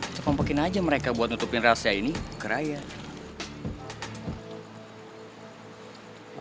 kita kompakin aja mereka buat nutupin rahasia ini ke rakyat